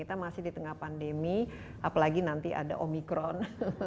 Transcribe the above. kita masih di tengah pandemi apalagi nanti ada omikron